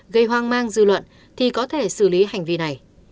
gây hoang mang dư luận thì có thể xử lý hành vi này